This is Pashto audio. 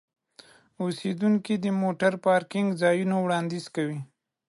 اوسیدونکي د موټر پارکینګ ځایونه وړاندیز کوي.